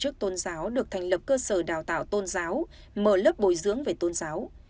tổ chức tôn giáo được thành lập cơ sở đào tạo tôn giáo mở lớp bồi dưỡng về tôn giáo